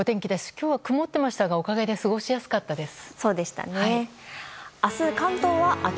今日は曇っていましたがおかげで過ごしやすかったです。